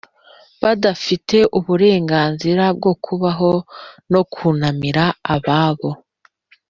badafite uburenganzira bwo kubaho no kunamira ababo.